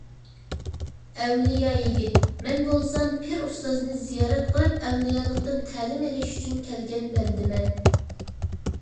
ئەۋلىيا يىگىت، مەن بولسام پىر ئۇستازنى زىيارەت قىلىپ ئەۋلىيالىقتىن تەلىم ئېلىش ئۈچۈن كەلگەن بەندىمەن.